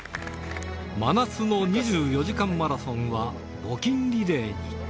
真夏の２４時間マラソンは、募金リレーに。